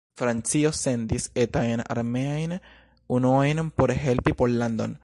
Francio sendis etajn armeajn unuojn por helpi Pollandon.